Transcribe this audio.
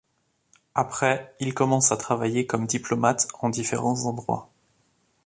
Après, il commence à travailler comme diplomate en différents endroits.